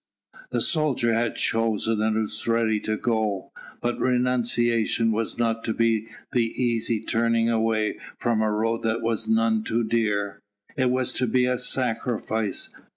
The soldier had chosen and was ready to go. But renunciation was not to be the easy turning away from a road that was none too dear it was to be a sacrifice!